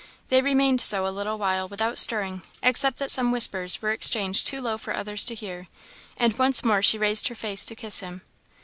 They remained so a little while without stirring; except that some whispers were exchanged too low for others to hear, and once more she raised her face to kiss him.